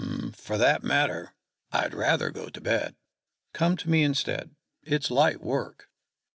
"For that matter, I'd rather go to bed." "Come to me instead: it's light work."